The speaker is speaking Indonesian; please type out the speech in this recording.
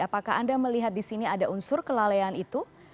apakah anda melihat di sini ada unsur kelalaian itu